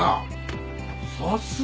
さすが匠！